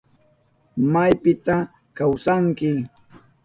¿Maypita kawsanki?